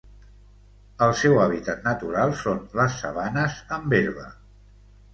El seu hàbitat natural són les sabanes amb herba.